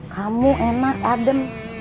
kamu enak adem